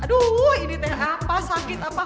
aduh ini teh apa sakit apa